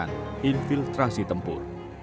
ini menamakan infiltrasi tempur